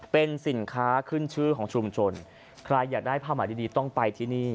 เป็นสินค้าขึ้นชื่อของชุมชนใครอยากได้ผ้าหมายดีดีต้องไปที่นี่